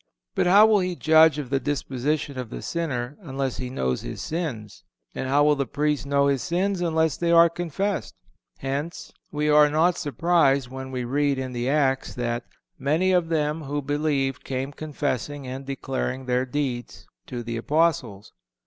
But how will he judge of the disposition of the sinner unless he knows his sins, and how will the Priest know his sins unless they are confessed? Hence, we are not surprised when we read in the Acts that "Many of them who believed came confessing and declaring their deeds"(443) to the Apostles.